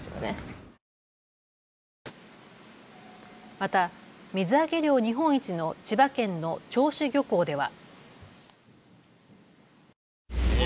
また水揚げ量日本一の千葉県の銚子漁港では。